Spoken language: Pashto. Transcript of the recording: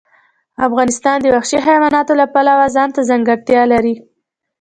افغانستان د وحشي حیوانات د پلوه ځانته ځانګړتیا لري.